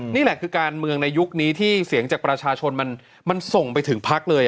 นี่แหละคือการเมืองในยุคนี้ที่เสียงจากประชาชนมันส่งไปถึงพักเลย